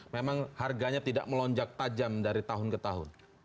memang harganya tidak melonjak tajam dari tahun ke tahun